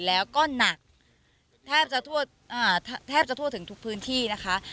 แล้วก็หนักแทบจะแทบจะทั่วถึงทุกพื้นที่นะคะ